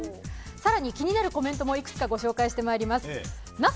気になるコメントもいくつか紹介していきます。